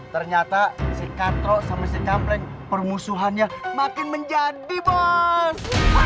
ternyata si katrok sama si kapleng permusuhannya makin menjadi bos